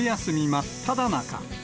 真っただ中。